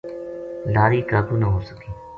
لاری قابو نہ ہوسکی